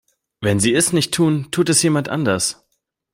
Wenn Sie es nicht tun, tut es jemand anders.